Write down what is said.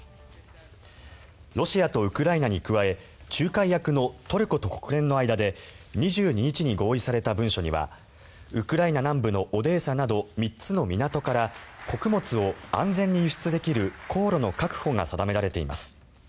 ロシアとウクライナに加え仲介役のトルコと国連の間で２２日に合意された文書にはウクライナ南部のオデーサなど３つの港から穀物を安全に輸出できる航路の確保が定められています。